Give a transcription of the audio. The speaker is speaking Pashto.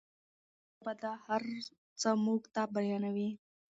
پښتو ژبه دا هر څه موږ ته بیانوي.